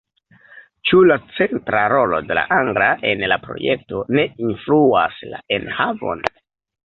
Ĉu la centra rolo de la angla en la projekto ne influas la enhavon?